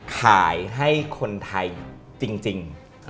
ขายให้คนไทยจริง